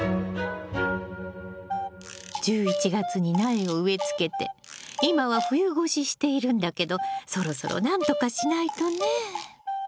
１１月に苗を植えつけて今は冬越ししているんだけどそろそろなんとかしないとね。